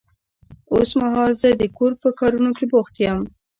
اوس مهال زه د کور په کارونه کې بوخت يم.